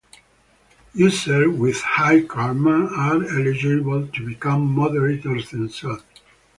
Users with high "karma" are eligible to become moderators themselves.